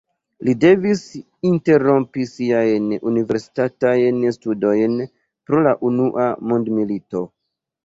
Li devis interrompi siajn universitatajn studojn pro la unua mondmilito.